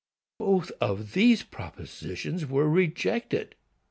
Both these propositions were rejected.